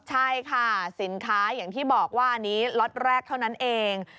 ใช่ค่ะสินค้าอย่างที่บอกว่าอันนี้ล็อตแรกเท่านั้นเอง